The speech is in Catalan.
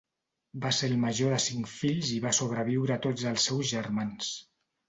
Va ser el major de cinc fills i va sobreviure a tots els seus germans.